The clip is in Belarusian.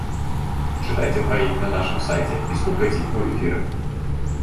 Чытайце пра іх на нашым сайце і слухайце ў эфіры!